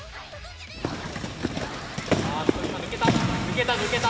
今抜けた！